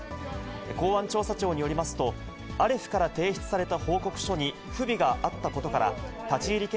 公安調査庁によりますと、アレフから提出された報告書に不備があったことから、立ち入り検